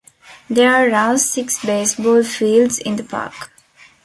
There are six baseball fields in the park.